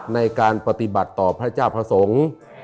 ในการปฏิบัติต่อพระเจ้าพระสงฆ์